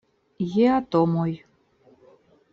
Je atomoj.